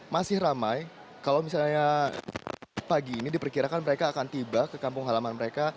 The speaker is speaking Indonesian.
masih ramai kalau misalnya pagi ini diperkirakan mereka akan tiba ke kampung halaman mereka